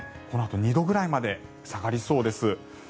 このあと２度ぐらいまで下がりそうです。